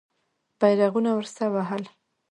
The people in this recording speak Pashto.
بیرغونه ورسره وهل.